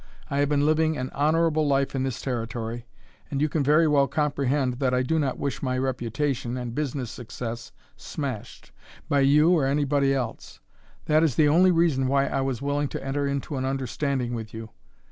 I have been living an honorable life in this Territory, and you can very well comprehend that I do not wish my reputation and business success smashed by you or anybody else. That is the only reason why I was willing to enter into an understanding with you.